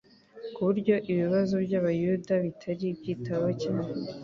ku buryo ibibazo by'Abayuda bitari byitaweho cyane,